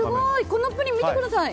このプリン見てください。